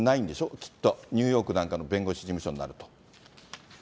きっと、ニューヨークなんかの弁護士事務所になると。